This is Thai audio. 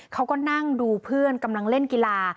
เขาก็นั่งดูเพื่อนกำลังเล่นกีฬา